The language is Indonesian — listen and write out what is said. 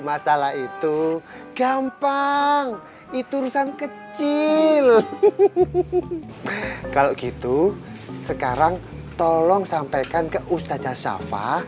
masalah itu gampang itu urusan kecil kalau gitu sekarang tolong sampaikan ke ustadz jasafah